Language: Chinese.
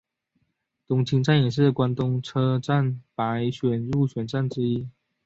东京站也是关东车站百选入选站之一。